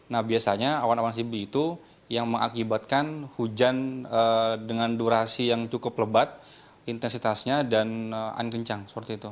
nah biasanya awan awan cb itu yang mengakibatkan hujan dengan durasi yang cukup lebat intensitasnya dan angin kencang seperti itu